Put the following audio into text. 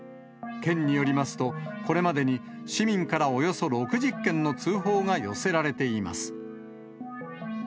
県によりますと、これまでに市民からおよそ６０件の通報が寄せられています。